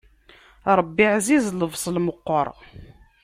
Ṛebbi ɛziz, lebṣel meqqer.